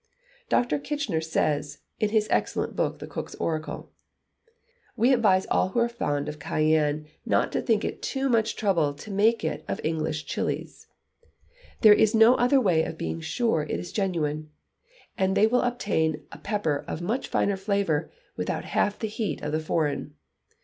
Dr. Kitchiner says (in his excellent book, "The Cook's Oracle" ): "We advise all who are fond of cayenne not to think it too much trouble to make it of English chilis, there is no other way of being sure it is genuine, and they will obtain a pepper of much finer flavour, without half the heat of the foreign.